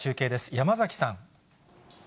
山崎さん。